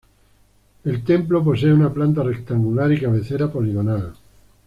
El templo posee una planta rectangular y cabecera poligonal.